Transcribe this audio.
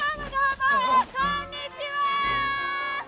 こんにちは！